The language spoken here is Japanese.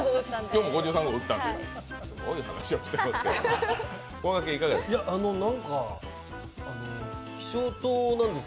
今日も５３号打ったんで。